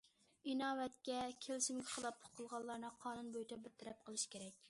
ئىناۋەتكە، كېلىشىمگە خىلاپلىق قىلغانلارنى قانۇن بويىچە بىر تەرەپ قىلىش كېرەك.